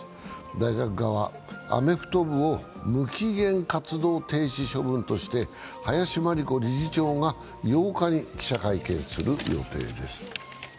大学側、アメフト部を無期限活動停止処分としして林真理子理事長が８日に記者会見する予定です。